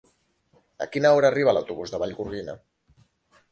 A quina hora arriba l'autobús de Vallgorguina?